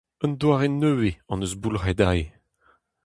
Un doare nevez hon eus boulc'het aze.